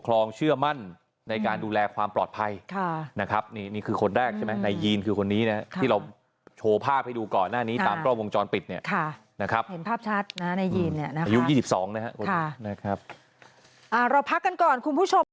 เราพักกันก่อนคุณผู้ชม